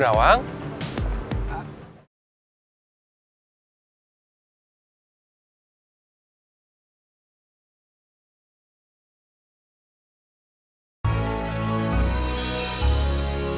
dalam perubatan dengan minister of distribution